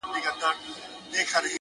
په پنجشنبې زيارت ته راسه زما واده دی گلي